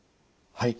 はい。